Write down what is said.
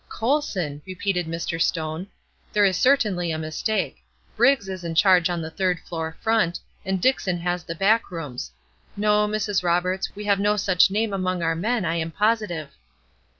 "Colson!" repeated Mr. Stone. "There is certainly a mistake. Briggs is in charge on the third floor front, and Dickson has the back rooms. No, Mrs. Roberts, we have no such name among our men, I am positive."